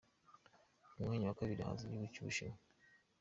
Ku mwanya wa kabiri haza igihugu cy’u Bushinwa.